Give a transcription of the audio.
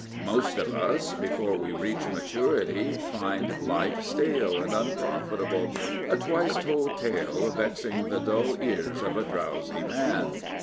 Most of us, before we reach maturity, find life stale and unprofitable —" a twice told tale vexing the dull ears of a drowsy man."